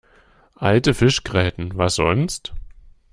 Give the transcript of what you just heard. Alte Fischgräten, was sonst?